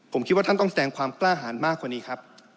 ผมคิดว่าท่านต้องแสดงความกล้าหารมากกว่านี้ครับ